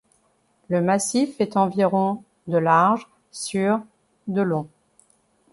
Le massif fait environ de large sur de long.